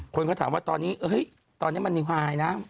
คนก็ถามว่าตอนนี้ตอนนี้มันดิวไหลนะ